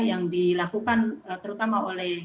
yang dilakukan terutama oleh